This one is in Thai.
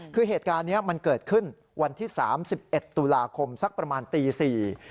คือเหตุการณ์นี้มันเกิดขึ้นวันที่๓๑ตุลาคมสักประมาณตี๔